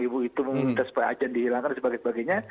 ibu itu meminta supaya ajan dihilangkan dan sebagainya